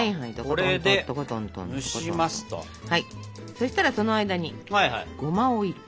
そしたらその間にごまをいります。